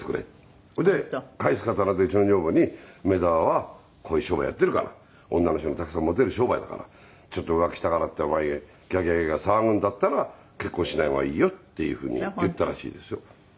それで返す刀でうちの女房に「梅沢はこういう商売やってるから女の人にたくさんモテる商売だからちょっと浮気したからってお前ギャーギャーギャーギャー騒ぐんだったら結婚しない方がいいよ」っていう風に言ったらしいですよ。